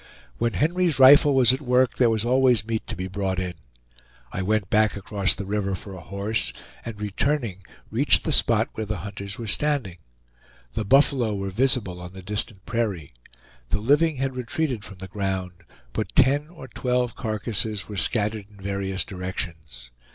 When Henry's rifle was at work there was always meat to be brought in. I went back across the river for a horse, and returning, reached the spot where the hunters were standing. The buffalo were visible on the distant prairie. The living had retreated from the ground, but ten or twelve carcasses were scattered in various directions.